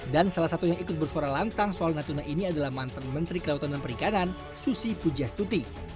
dan salah satunya yang ikut bersuara lantang soal natuna ini adalah mantan menteri kelautan dan perikanan susi pujastuti